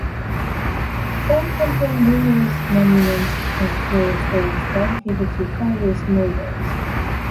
All contain numerous monuments and floor stones dedicated to various nobles.